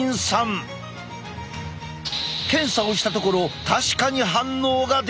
検査をしたところ確かに反応が出た！